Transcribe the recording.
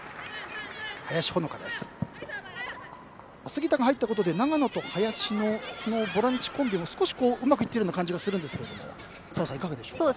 杉田が入ったことで長野と林のボランチコンビも少しうまくいっているような感じもしますが澤さん、いかがですか？